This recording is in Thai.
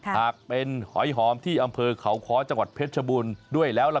หากเป็นหอยหอมที่อำเภอเขาค้อจังหวัดเพชรชบูรณ์ด้วยแล้วล่ะ